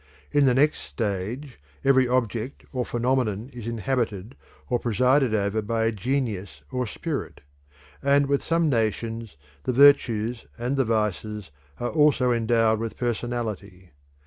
In the next stage every object and phenomenon is inhabited or presided over by a genius or spirit, and with some nations the virtues and the vices are also endowed with personality.